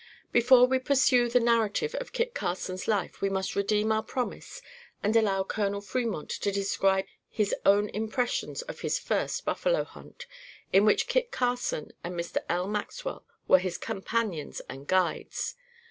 Before we pursue the narrative of Kit Carson's life we must redeem our promise and allow Col. Fremont to describe his own impressions in his first Buffalo Hunt, in which Kit Carson and Mr. L. Maxwell were his companions and guides.